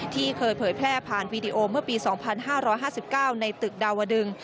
ที่เคยเผยแพร่ผ่านวีดีโอเมื่อปี๒๕๕๙ในตึกดาวดึง